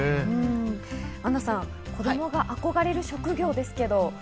アンナさん、子供が憧れる職業ですけど。